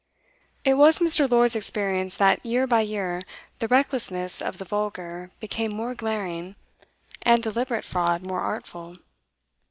It was Mr Lord's experience that year by year the recklessness of the vulgar became more glaring, and deliberate fraud more artful.